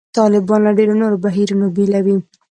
طالبان له ډېرو نورو بهیرونو بېلوي.